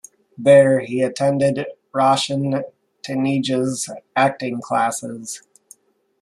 There, he attended Roshan Taneja's acting classes.